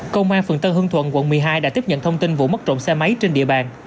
công an phường tân hương thuận quận một mươi hai đã tiếp nhận thông tin vụ mất trộm xe máy trên địa bàn